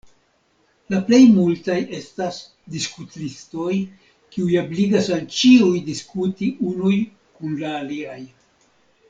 La plej multaj estas "diskut-listoj" kiuj ebligas al ĉiuj diskuti unuj kun la aliaj.